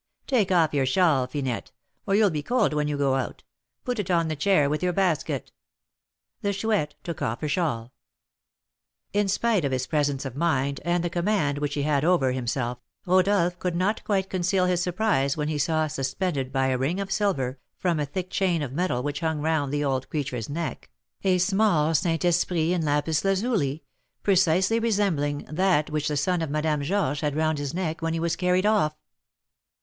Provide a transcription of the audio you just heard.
Take off your shawl, Finette, or you'll be cold when you go out; put it on the chair with your basket." The Chouette took off her shawl. In spite of his presence of mind, and the command which he had over himself, Rodolph could not quite conceal his surprise when he saw suspended by a ring of silver, from a thick chain of metal which hung round the old creature's neck, a small Saint Esprit in lapis lazuli, precisely resembling that which the son of Madame Georges had round his neck when he was carried off.